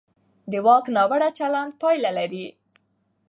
د واک ناوړه چلند پایله لري